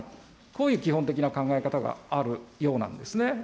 こういう基本的な考え方があるようなんですね。